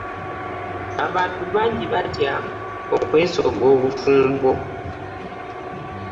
Abantu bangi batya okwesogga obufumbo.